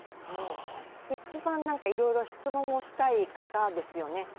一番いろいろ質問をしたい方ですよね。